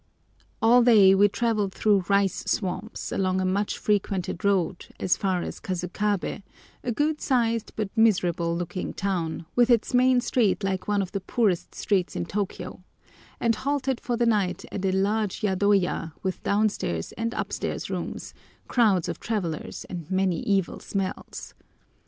All day we travelled through rice swamps, along a much frequented road, as far as Kasukabé, a good sized but miserable looking town, with its main street like one of the poorest streets in Tôkiyô, and halted for the night at a large yadoya, with downstairs and upstairs rooms, crowds of travellers, and many evil smells.